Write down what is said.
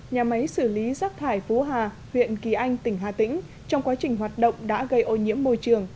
nhà máy xử lý rác thải phú hà huyện kỳ anh tỉnh hà tĩnh trong quá trình hoạt động đã gây ô nhiễm môi trường